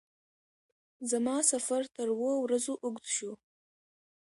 زما سفر تر اوو ورځو اوږد شو.